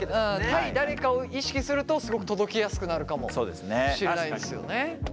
対誰かを意識するとすごく届きやすくなるかもしれないですよね。